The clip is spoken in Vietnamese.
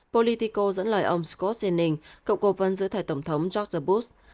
politico dẫn lời ông scott jennings cộng cố vân giữa thầy tổng thống george bush